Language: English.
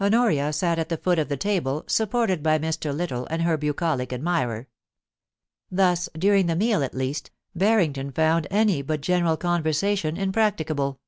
Honoria sat at the foot of the table, supported by Mr. Little and her bucolic admirer. Thus, during the meal at least, Barrington found any but general conversation im practicable.